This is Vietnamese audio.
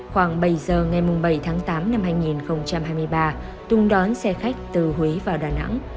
khoảng bảy giờ ngày bảy tháng tám năm hai nghìn hai mươi ba tùng đón xe khách từ huế vào đà nẵng